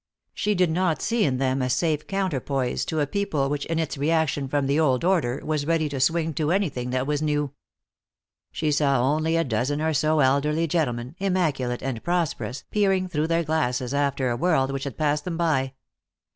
She did not see in them a safe counterpoise to a people which in its reaction from the old order, was ready to swing to anything that was new. She saw only a dozen or so elderly gentlemen, immaculate and prosperous, peering through their glasses after a world which had passed them by.